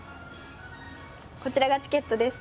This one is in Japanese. こちらがチケットです。